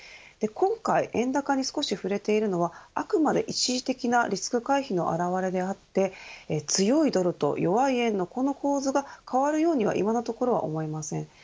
今回、円高に少し振れているのはあくまで一時的なリスク回避の表れであって強いドルと弱い円のこの構図が変わるようには今のところは思えません。